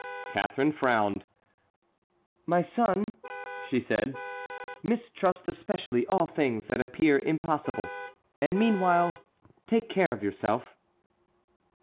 Catharine frowned. "My son," she said, "mistrust especially all things that appear impossible, and meanwhile take care of yourself."